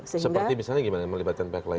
seperti misalnya gimana melibatkan pihak lain